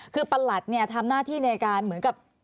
คือประหลัดเนี่ยทำหน้าที่ในการเหมือนกับ